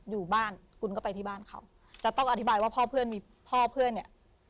อยู่บ้านคุณก็ไปที่บ้านเขาจะต้องอธิบายว่าพ่อเพื่อนมีพ่อเพื่อนเนี่ย